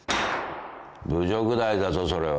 侮辱罪だぞそれは。